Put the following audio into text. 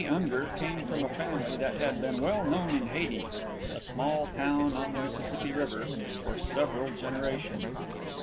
Unger came from a family that had been well known in Hades a small town on the Mississippi River for several generations.